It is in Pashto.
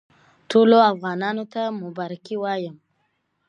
ټولو افغانانو ته مبارکي وایم.